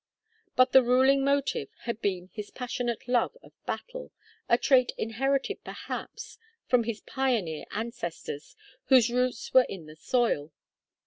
But the ruling motive had been his passionate love of battle, a trait inherited perhaps from his pioneer ancestors, whose roots were in the soil.